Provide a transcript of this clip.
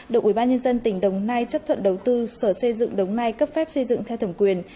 được ubnd tỉnh đồng nai chấp thuận đầu tư sở xây dựng đồng nai cấp phép xây dựng theo thẩm quyền